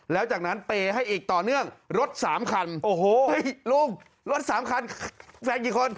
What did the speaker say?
แล้วจากนั้นเตรียมให้อีกต่อเนื่องรถ๓คันโอ้โหลุงรถ๓คันแฟนกี่คน